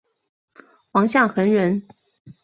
王象恒人。